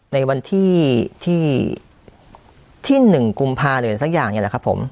ในวันที่ที่ที่หนึ่งกุมภาคมเลยสักอย่างเนี้ยแหละครับผม